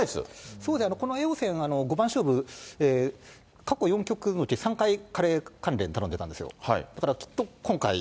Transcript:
そうですね、この叡王戦五番勝負、過去４局のうち３回カレー関連頼んでたんですよ。